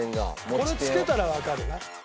「これ付けたらわかるな」